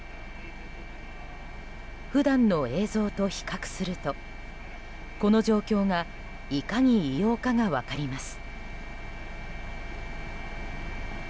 普段の映像と比較するとこの状況がいかに異様かが分かります。